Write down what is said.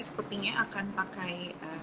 sepertinya akan pakai